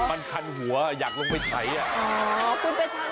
มันคันหัวอยากลงไปไถอ่ะ